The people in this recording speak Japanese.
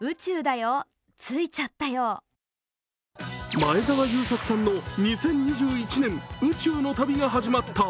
前澤友作さんの２０２１年、宇宙の旅が始まった。